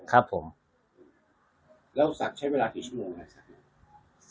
แล้วสักใช้เวลากี่ชั่วโมงครับ